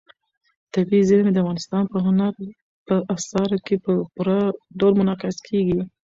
طبیعي زیرمې د افغانستان په هنر په اثار کې په پوره ډول منعکس کېږي.